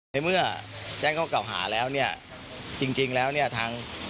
ในเมื่อแจ้งเข้ากล่าวหาแล้วจริงแล้วทั้ง